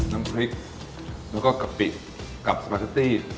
น้ำพริกแล้วก็กะปิกับสปาเกตตี้